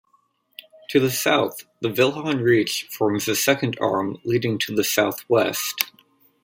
To the south, the Vilhon Reach forms a second arm leading to the southwest.